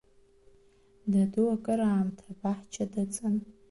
Даду акыраамҭа абаҳча дыҵан.